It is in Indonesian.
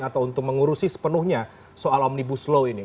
atau untuk mengurusi sepenuhnya soal omnibus law ini